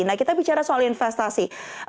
nah kita bicara soal investasi